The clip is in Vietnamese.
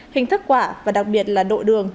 hình thức quả và đặc biệt là độ đường